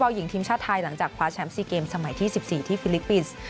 หญิงทีมชาติไทยหลังจากคว้าแชมป์๔เกมสมัยที่๑๔ที่ฟิลิปปินส์